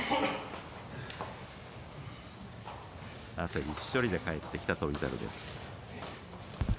汗びっしょり帰ってきた翔猿です。